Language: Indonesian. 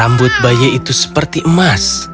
rambut bayi itu seperti emas